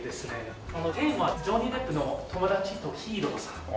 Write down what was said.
テーマはジョニー・デップの友達とヒーローさん。